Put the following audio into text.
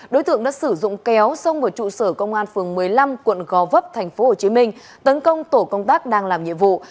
đối tượng đã sử dụng kéo xông vào trụ sở công an phường một mươi năm quận gò vấp tp hcm tấn công tổ công tác đang làm nhiệm vụ